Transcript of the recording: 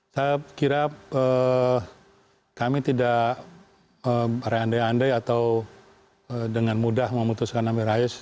saya kira kami tidak berandai andai atau dengan mudah memutuskan amin rais